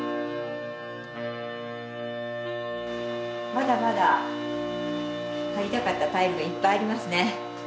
まだまだ貼りたかったタイルがいっぱいありますね。